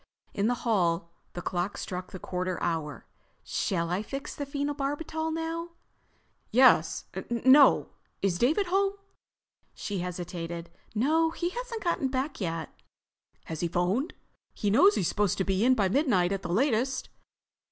In the hall, the clock struck the quarter hour. "Shall I fix the phenobarbital now?" "Yes—no. Is David home?" She hesitated. "No, he hasn't got back yet." "Has he phoned? He knows he's supposed to be in by midnight at the latest."